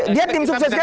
dia tim suksesnya